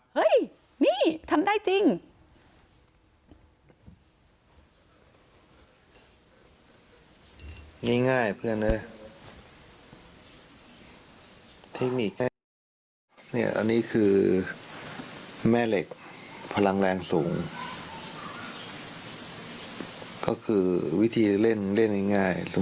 เฮ้ยนี่ทำได้จริง